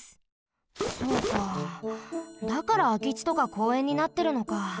そうかだからあきちとかこうえんになってるのか。